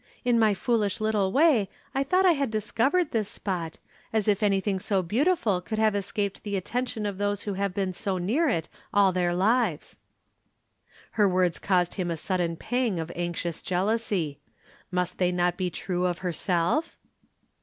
"In my foolish little way I thought I had discovered this spot as if anything so beautiful could have escaped the attention of those who have been near it all their lives." Her words caused him a sudden pang of anxious jealousy. Must they not be true of herself?